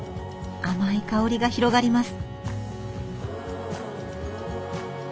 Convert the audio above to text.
甘い香りが広がります。